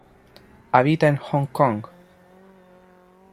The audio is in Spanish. Habita en Hong Kong.